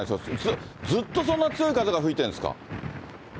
ずっとそんな強い風が吹いてるんですか？